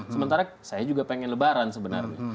sementara saya juga pengen lebaran sebenarnya